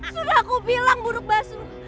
sudah aku bilang uduk basu